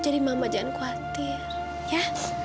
jadi mama jangan khawatir ya